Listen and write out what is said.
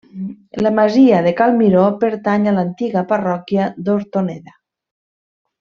La masia de cal Miró, pertany a l'antiga parròquia d'Hortoneda.